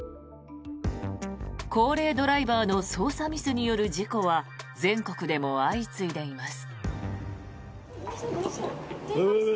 高齢ドライバーの操作ミスによる事故は全国でも相次いでいます。